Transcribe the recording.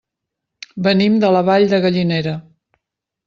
Venim de la Vall de Gallinera.